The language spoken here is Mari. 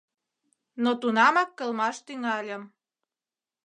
Но тунамак кылмаш тӱҥальым.